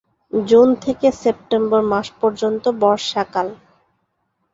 June থেকে September মাস পর্যন্ত বর্ষাকাল।